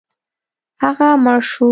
هغه مړ شو.